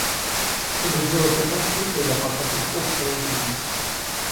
Чтобы сделать это открытие, я потратил пол своей жизни.